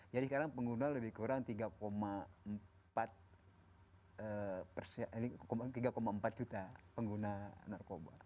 jadi sekarang pengguna lebih kurang tiga empat juta pengguna narkoba